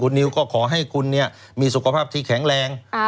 คุณนิวก็ขอให้คุณเนี่ยมีสุขภาพที่แข็งแรง